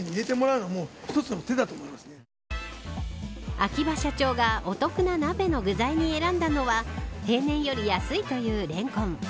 秋葉社長がお得な鍋の具材に選んだのは平年より安いというレンコン。